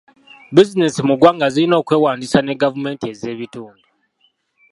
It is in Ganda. Bizinensi mu ggwanga zirina okwewandiisa ne gavumenti z'ebitundu.